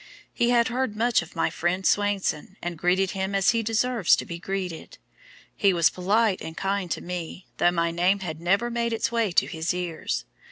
He had heard much of my friend Swainson, and greeted him as he deserves to be greeted; he was polite and kind to me, though my name had never made its way to his ears.